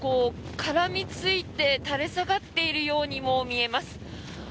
絡みついて垂れ下がっているようにも見えます。